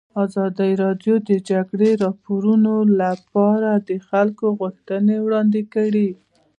ازادي راډیو د د جګړې راپورونه لپاره د خلکو غوښتنې وړاندې کړي.